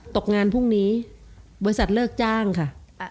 ตกงานพรุ่งนี้บริษัทเลิกจ้างค่ะ